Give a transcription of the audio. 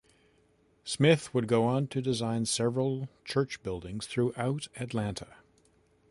Smith would go on to design several church buildings throughout Atlanta.